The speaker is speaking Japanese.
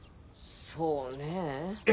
そうねえ。